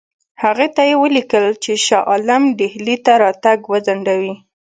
هغې ته یې ولیکل چې شاه عالم ډهلي ته راتګ وځنډوي.